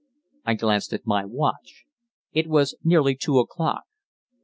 I glanced at my watch. It was nearly two o'clock.